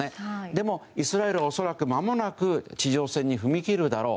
でも、イスラエルは恐らくまもなく地上戦に踏み切るだろう。